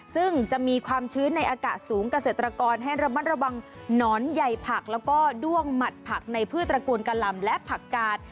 ซึ่งจะมีความชื้นในอากาศสูงเกษตรกรให้ระมัดระวังหนอนใหญ่ผักแล้วก็ด้วงหมัดผักในพืชตระกูลกะลำและผักกาด